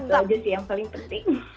itu aja sih yang paling penting